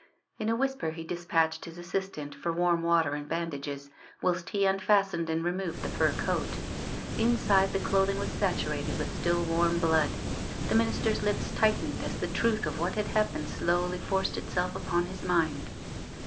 In a whisper he dispatched his assistant for warm water and bandages, whilst he unfastened and removed the fur coat. Inside the clothing was saturated with still warm blood. The minister's lips tightened as the truth of what had happened slowly forced itself upon his mind.